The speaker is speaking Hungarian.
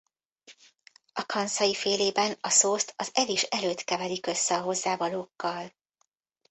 A Kanszai-félében a szószt az evés előtt keverik össze a hozzávalókkal.